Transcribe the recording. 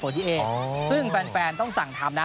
ซึ่งแฟนต้องสั่งทำนะ